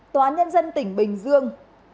tòa án nhân dân tỉnh bình dương